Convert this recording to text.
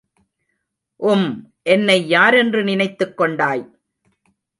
உம் என்னை யாரென்று நினைத்துக் கொண்டாய்!